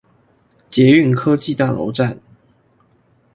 捷運科技大樓站